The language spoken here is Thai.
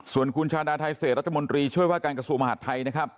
ส่วนคุณชาดาไทเศษรัฐมนตรีช่วยว่าการกระทรวงมหาดไทยนะครับ